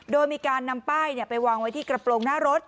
โดยมีการนำป้ายไปวางไว้ที่กระโปรงหน้ารถ